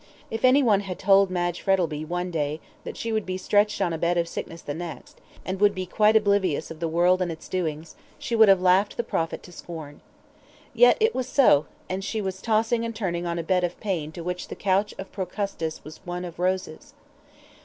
If anyone had told Madge Frettlby one day that she would be stretched on a bed of sickness the next, and would be quite oblivious of the world and its doings, she would have laughed the prophet to scorn. Yet it was so, and she was tossing and turning on a bed of pain to which the couch of Procustes was one of roses.